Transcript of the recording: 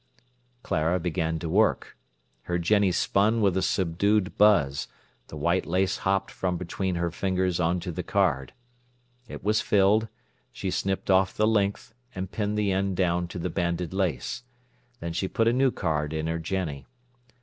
Clara began to work. Her jenny spun with a subdued buzz; the white lace hopped from between her fingers on to the card. It was filled; she snipped off the length, and pinned the end down to the banded lace. Then she put a new card in her jenny.